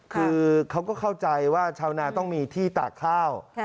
คือเขาก็เข้าใจว่าชาวนาต้องมีที่ตากข้าว